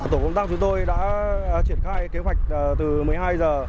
tổ công tác chúng tôi đã triển khai kế hoạch từ một mươi hai giờ